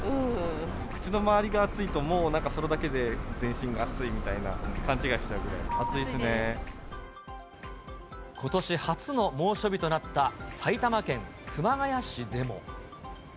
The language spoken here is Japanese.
口の周りが暑いと、もうなんかそれだけで全身が暑いみたいな、勘違いしちゃうくらい、ことし初の猛暑日となった埼玉県熊谷市でも。